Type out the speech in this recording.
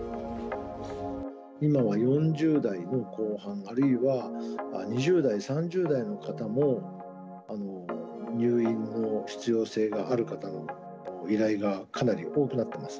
今は４０代の後半、あるいは２０代、３０代の方も入院の必要性がある方の依頼がかなり多くなってます。